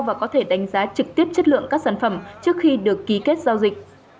và có thể đánh giá trực tiếp chất lượng các sản phẩm trước khi được ký kết giao dịch